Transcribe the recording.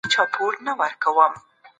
موږ د خپل هېواد د ابادۍ لپاره مټې رانغښتي دي.